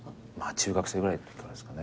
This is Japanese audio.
中学生ぐらいからですかね。